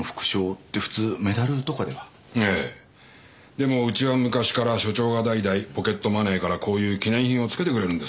でもうちは昔から署長が代々ポケットマネーからこういう記念品をつけてくれるんです。